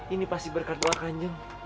ini pasti berkat doa kan jeng